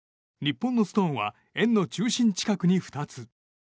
日本のストーンは円の中心近くに２つ。